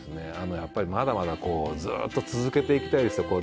やっぱりまだまだこうずっと続けていきたいですよ。